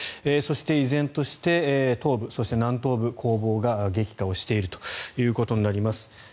そして、依然として東部、そして南東部攻防が激化しているということになります。